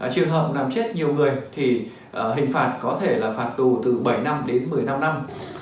trường hợp làm chết nhiều người thì hình phạt có thể là phạt tù từ bảy năm đến một mươi năm năm